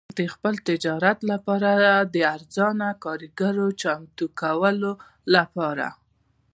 د خپل تجارت لپاره د ارزانه کارګرو د چمتو کولو لپاره.